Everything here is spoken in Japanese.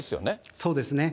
そうですね。